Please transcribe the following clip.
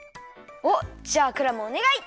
おっじゃあクラムおねがい！